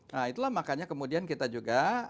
nah itulah makanya kemudian kita juga